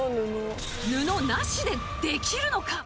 布なしで、できるのか？